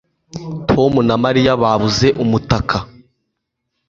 Tom na Mariya babuze umutaka